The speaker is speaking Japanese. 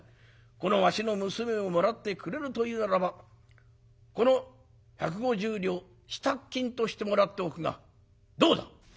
このわしの娘をもらってくれるというならばこの百五十両支度金としてもらっておくがどうだ？」。